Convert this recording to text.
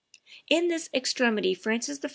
In this extremity Francis I.